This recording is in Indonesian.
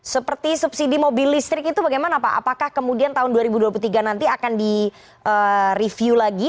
seperti subsidi mobil listrik itu bagaimana pak apakah kemudian tahun dua ribu dua puluh tiga nanti akan direview lagi